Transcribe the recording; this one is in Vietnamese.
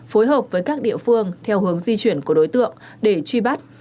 phối hợp với các địa phương theo hướng di chuyển của đối tượng để truy bắt